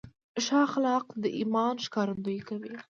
ښه اخلاق د ایمان ښکارندویي کوي.